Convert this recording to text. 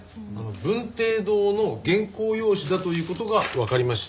文綴堂の原稿用紙だという事がわかりました。